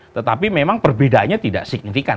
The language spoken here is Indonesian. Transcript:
tetapi memang perbedaannya tidak signifikan